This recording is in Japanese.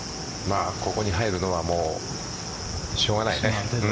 ここに入るのはしょうがないね。